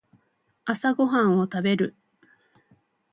朝ごはんを食べる